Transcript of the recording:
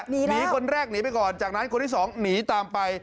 หนีคนแรกหนีไปก่อนจากนั้นคนที่สองหนีตามไป